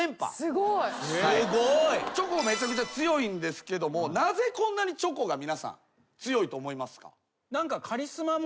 チョコめちゃくちゃ強いんですけどもなぜこんなにチョコが皆さん強いと思いますか？